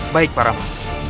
baik pak rama